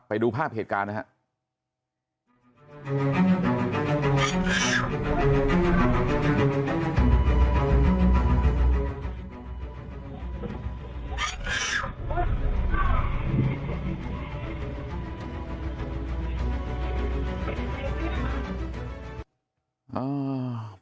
ไปดูภาพเหตุการณ์นะครับ